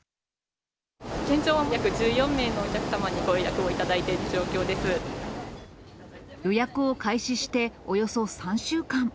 現在は１４名のお客様にご予予約を開始しておよそ３週間。